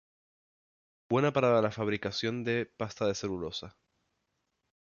Buena para la fabricación de pasta de celulosa.